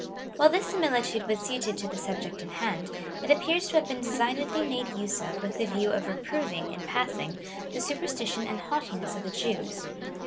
While this similitude was suited to the subject in hand, it appears to have been de signedly made use of with the view of reproving, in passing, the sujierstition and haughtiness of the Jews.